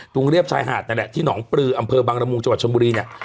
เรียบชายหาดนั่นแหละที่หนองปลืออำเภอบังละมุงจังหวัดชนบุรีเนี่ย